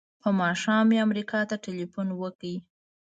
په ماښام مې امریکا ته ټیلفون وکړ.